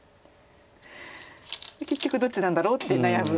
結局どっちなんだろうって悩む。